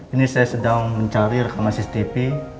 ini saya sedang mencari rekaman cctv